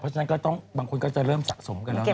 เพราะฉะนั้นบางคนก็จะเริ่มสะสมกันแล้วนะครับ